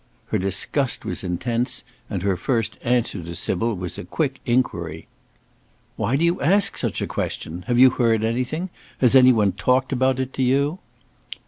Her disgust was intense, and her first answer to Sybil was a quick inquiry: "Why do you ask such a question? have you heard anything, has anyone talked about it to you?"